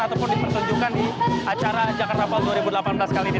ataupun dipersunjukkan di acara jakarnaval dua ribu delapan belas kali ini